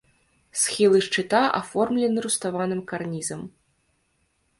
Схілы шчыта аформлены руставаным карнізам.